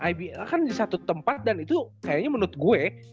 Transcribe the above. ibl kan di satu tempat dan itu kayaknya menurut gue